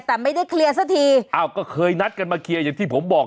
แต่ไม่ได้เคลียร์สักทีอ้าวก็เคยนัดกันมาเคลียร์อย่างที่ผมบอก